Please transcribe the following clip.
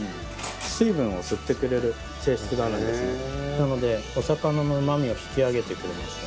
なのでお魚のうま味を引き上げてくれますね。